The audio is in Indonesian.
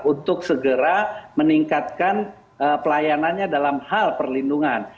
untuk segera meningkatkan pelayanannya dalam hal perlindungan